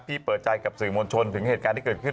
เปิดใจกับสื่อมวลชนถึงเหตุการณ์ที่เกิดขึ้น